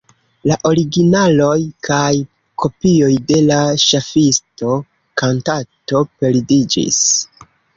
La originaloj kaj kopioj de la ŝafisto-kantato perdiĝis.